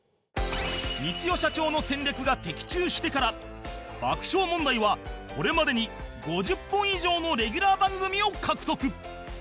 光代社長の戦略が的中してから爆笑問題はこれまでに５０本以上のレギュラー番組を獲得